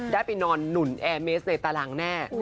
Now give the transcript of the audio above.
ได้ไปนอนหนุนแอร์เมสในตารางแน่